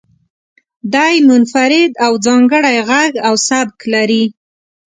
دی منفرد او ځانګړی غږ او سبک لري.